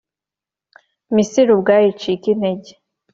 Misiri ubwayo icike intege.